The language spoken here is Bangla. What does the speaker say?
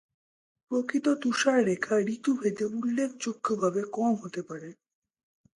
প্রকৃত তুষাররেখা ঋতুভেদে উল্লেখযোগ্যভাবে কম হতে পারে।